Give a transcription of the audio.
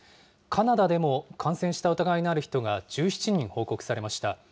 カナダでも感染した疑いのある人が１７人報告されました。